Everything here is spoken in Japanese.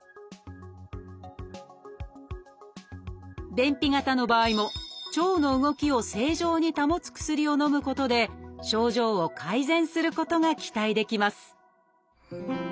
便秘型の場合も腸の動きを正常に保つ薬をのむことで症状を改善することが期待できます